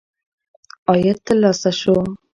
عاید ترلاسه شو.